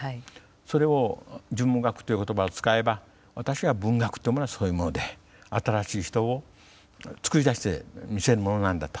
それを「純文学」という言葉を使えば私は文学っていうものはそういうもので「新しい人」を作り出してみせるものなんだと。